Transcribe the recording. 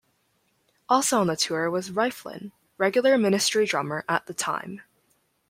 Also on the tour was Rieflin, regular Ministry drummer at the time.